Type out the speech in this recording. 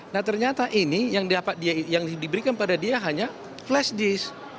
nah ternyata ini yang diberikan pada dia hanya flash disk